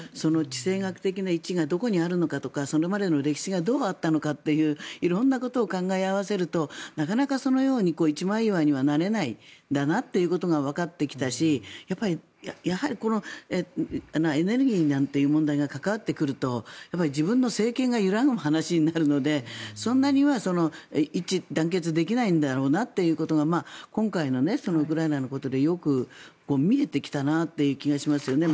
地政学的な位置がどこにあるのかとかそれまでの歴史がどうあったのかという色んなことを考え合わせるとなかなかそのように一枚岩にはなれないんだなということがわかってきたしやはりエネルギーなんていう問題が関わってくると自分の政権が揺らぐ話になるのでそんなには一致団結できないんだろうなということが今回のウクライナのことでよく見えてきたなという気がしますよね。